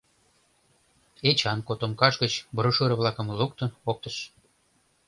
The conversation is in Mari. Эчан котомкаж гыч брошюра-влакым луктын оптыш.